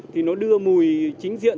thì nó đưa mùi chính diện